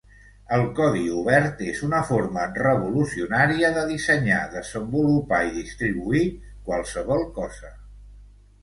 El Codi Obert és una forma revolucionària de dissenyar, desenvolupar i distribuir qualsevol cosa.